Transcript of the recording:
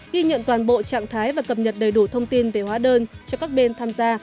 ghi nhận toàn bộ trạng thái và cập nhật đầy đủ thông tin về hóa đơn cho các bên tham gia